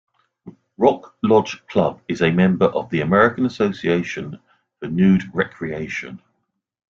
Rock Lodge Club is a member of the American Association for Nude Recreation.